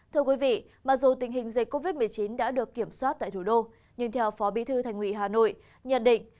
thưa quý vị mặc dù tình hình dịch covid một mươi chín đã được kiểm soát tại thủ đô nhưng theo phó bí thư thành ủy hà nội nhận định